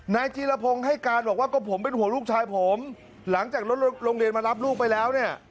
จีรพงศ์ให้การบอกว่าก็ผมเป็นห่วงลูกชายผมหลังจากรถโรงเรียนมารับลูกไปแล้วเนี่ย